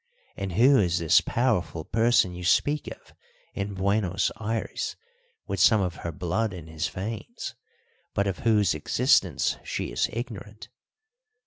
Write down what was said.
And who is this powerful person you speak of in Buenos Ayres with some of her blood in his veins, but of whose existence she is ignorant?"